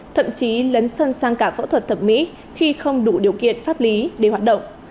thậm chí lấn sân sang cả phẫu thuật thẩm mỹ khi không đủ điều kiện pháp lý để hoạt động